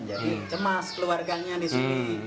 jadi cemas keluarganya di sini